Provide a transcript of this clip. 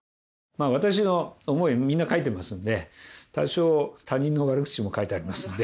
私の思い、みんな書いてますので多少、他人の悪口も書いてありますんで。